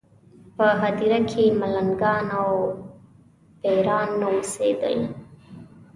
په هدیره کې ملنګان او پېران نه اوسېدل.